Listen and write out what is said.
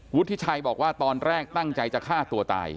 วุฒิชัยบอกว่าตอนแรกตั้งใจจะฆ่าตัวตาย